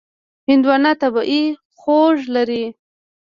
هندوانه طبیعي خوږ لري.